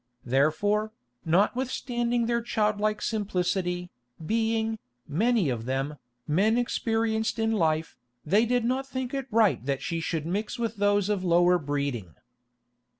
Therefore, notwithstanding their childlike simplicity, being, many of them, men experienced in life, they did not think it right that she should mix with those of lower breeding.